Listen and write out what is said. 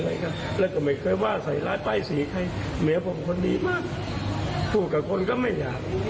รู้จักกันธรรมดาเรามาอยู่ได้๒เดือนกว่ากับ๘เดือนแล้ว